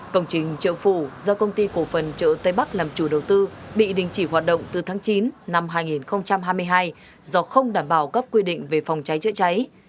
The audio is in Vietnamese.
công trình chợ phủ do công ty cổ phần chợ tây bắc làm chủ đầu tư bị đình chỉ hoạt động từ tháng chín năm hai nghìn hai mươi hai do không đảm bảo các quy định về phòng cháy chữa cháy